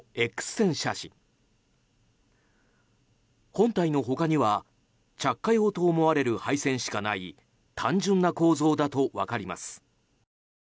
本体の他には着火用と思われる配線しかない単純な構造だと分かります。